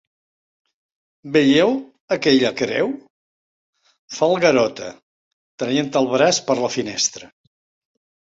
Veieu aquella creu? —fa el Garota, traient el braç per la finestreta.